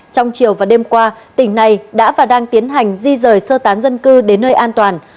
trong chiều và đêm qua tỉnh này đã và đang tiến hành di rời sơ tán dân cư đến nơi an toàn